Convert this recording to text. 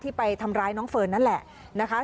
ไปทำร้ายน้องเฟิร์นนั่นแหละนะคะ